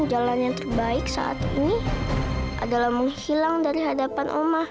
jalan yang terbaik saat ini adalah menghilang dari hadapan omah